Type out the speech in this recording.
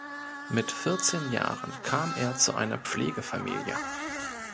Mit vierzehn Jahren kam er zu einer Pflegefamilie.